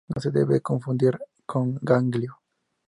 No se debe confundir con ganglio.